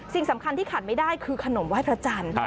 สิ่งสำคัญที่ขาดไม่ได้คือขนมไหว้พระจันทร์